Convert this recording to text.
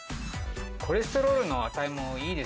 コレステロールの値もいいですね。